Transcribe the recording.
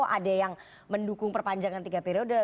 ada yang mendukung perpanjangan tiga periode